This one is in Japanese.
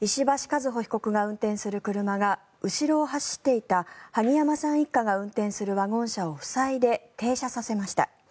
和歩被告が運転する車が後ろを走っていた萩山さん一家が運転するワゴン車を塞いで停車させました。